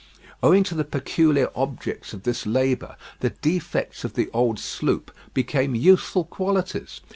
Owing to the peculiar objects of this labour, the defects of the old sloop became useful qualities.